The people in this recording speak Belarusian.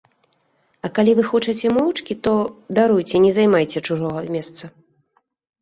А калі вы хочаце моўчкі, то, даруйце, не займайце чужога месца.